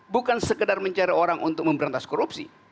bukan sekedar mencari orang untuk memberantas korupsi